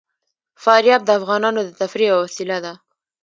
فاریاب د افغانانو د تفریح یوه وسیله ده.